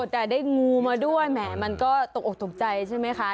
แต่ได้งูมาด้วยแหมมันก็ตกออกตกใจใช่ไหมคะ